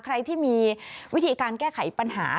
ใครที่มีวิธีการแก้ไขปัญหา